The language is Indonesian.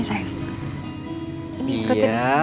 ini perutnya disini